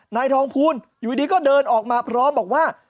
นายทองภูลอยู่ดีก็เดินออกมาพร้อมบอกว่า